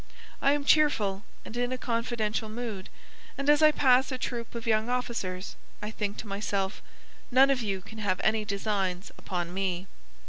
I am cheerful and in a confidential mood, and as I pass a troop of young officers I think to myself: None of you can have any designs upon me."